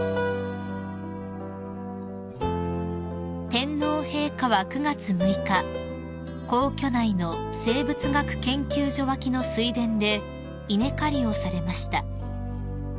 ［天皇陛下は９月６日皇居内の生物学研究所脇の水田で稲刈りをされました］